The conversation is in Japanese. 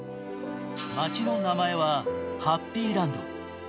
街の名前はハッピーランド。